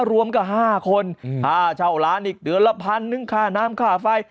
รวมกับ๕คน๕เจ้าร้านอีกเดือนละ๑๐๐๐นิ้งค่าน้ำค่าไฟ